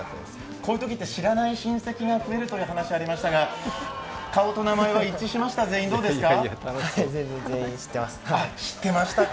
こういうときって、知らない親戚が増えるという話がありますが、顔と名前が一致しましたか？